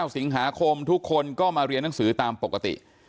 สิงหาคมทุกคนก็มาเรียนหนังสือตามปกติ